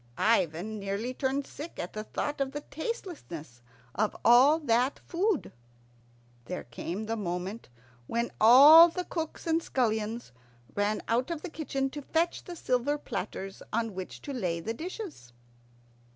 Ivan nearly turned sick at the thought of the tastelessness of all that food. There came the moment when all the cooks and scullions ran out of the kitchen to fetch the silver platters on which to lay the dishes.